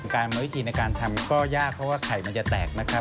บางทีในการทำก็ยากเพราะว่าไข่มันจะแตกนะครับ